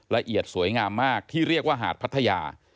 ละเอียดสวยงามมากที่เรียกว่าหาดพัทยา